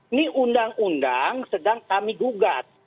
ini undang undang sedang kami gugat